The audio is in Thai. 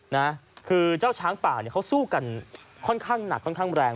นะคือเจ้าช้างป่าเนี่ยเขาสู้กันค่อนข้างหนักค่อนข้างแรง